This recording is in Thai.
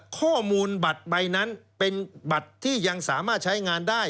ข้อมูลบัตรใบนั้นเป็นบัตรที่ยังสามารถใช้งานได้